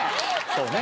そうね